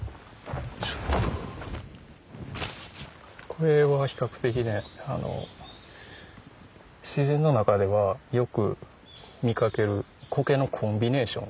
これは比較的ね自然の中ではよく見かけるコケのコンビネーション。